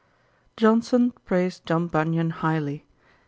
Johnson praised John Bunyan highly.